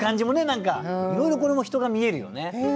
何かいろいろこれも人が見えるよね。